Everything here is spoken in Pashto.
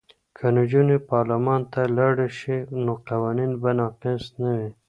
که نجونې پارلمان ته لاړې شي نو قوانین به ناقص نه وي.